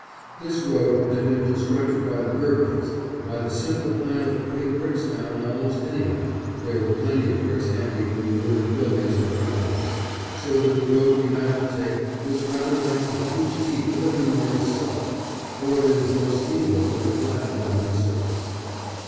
This road had been constructed by the Gurkhas, by the simple plan of putting bricks down almost anyhow there were plenty of bricks handy from the ruined buildings all around us; so that the road we had to take was rather like the huge teeth of an enormous saw, for there was no steam roller to flatten down the surface.